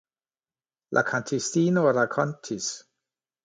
La kantistino rakontis.